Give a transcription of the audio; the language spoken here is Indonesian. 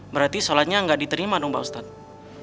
berarti sholatnya nggak diterima dong pak ustadz